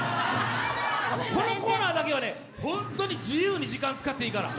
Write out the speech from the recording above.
このコーナーだけは、本当に自由に時間使っていいから。